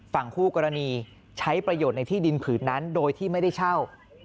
ฝั่งคู่กรณีใช้ประโยชน์ในที่ดินผืนนั้นโดยที่ไม่ได้เช่า